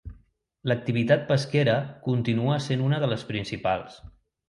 L'activitat pesquera continua sent una de les principals.